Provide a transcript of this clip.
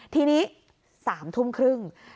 ทีนี้๓ทุ่มครึ่ง